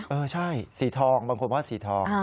เออใช่สีทองบางคนว่าสีทอง